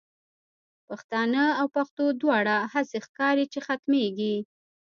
پښتانه او پښتو دواړه، هسی ښکاری چی ختمیږی